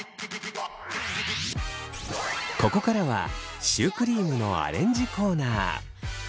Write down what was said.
ここからはシュークリームのアレンジコーナー。